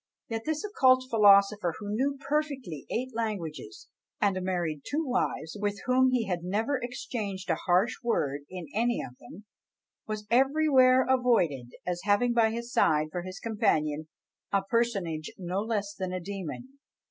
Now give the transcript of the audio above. Yet this occult philosopher, who knew perfectly eight languages, and married two wives, with whom he had never exchanged a harsh word in any of them, was everywhere avoided as having by his side, for his companion, a personage no less than a demon!